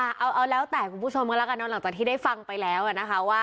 ครับขอบคุณครับสวัสดีครับ